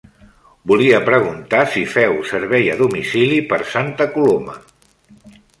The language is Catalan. Volia preguntar si feu servei a domicili per Santa Coloma?